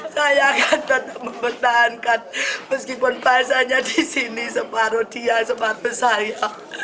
saya akan tetap mempertahankan meskipun bahasanya di sini separuh dia sepatu saya